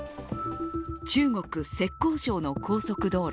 中国・浙江省の高速道路。